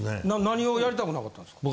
何をやりたくなかったんですか？